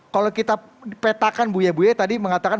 kalau kita petakan buya buya tadi mengatakan